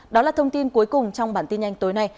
đó là thông tin cuối cùng trong bản tin nhanh tối nay